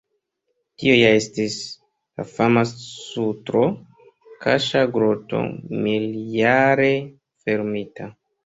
Tio ja estis la fama sutro-kaŝa groto mil-jare fermita.